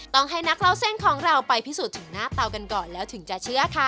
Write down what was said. ต้องให้นักเล่าเส้นของเราไปพิสูจน์ถึงหน้าเตากันก่อนแล้วถึงจะเชื่อค่ะ